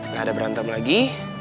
gak ada berantem lagi